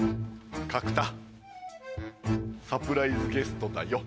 角田サプライズゲストだよ。